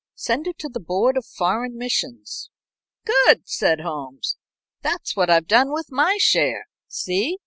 Send it to the Board of Foreign Missions." "Good!" said Holmes. "That's what I've done with my share. See!"